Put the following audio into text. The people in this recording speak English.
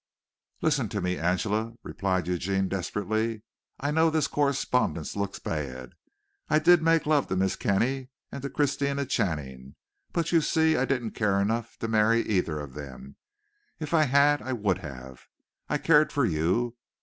"Listen to me, Angela," replied Eugene desperately, "I know this correspondence looks bad. I did make love to Miss Kenny and to Christina Channing, but you see I didn't care enough to marry either of them. If I had I would have. I cared for you.